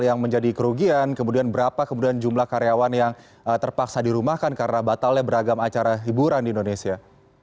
yang menjadi kerugian kemudian berapa kemudian jumlah karyawan yang terpaksa dirumahkan karena batalnya beragam acara hiburan di indonesia